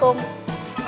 tetap maulin mu